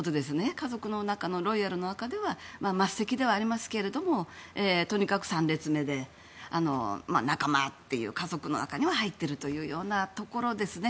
家族の中のロイヤルの中では末席ですが、とにかく３列目で仲間っていう家族の中には入っているようなところですね。